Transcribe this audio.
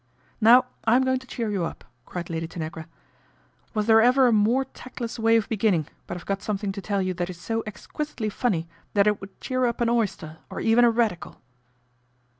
" Now I'm going to cheer you up," cried Lady Tanagra. ' Was there ever a more tactless way of beginning, but I've got something to tell you that is so exquisitely funny that it would cheer up an oyster, or even a radical."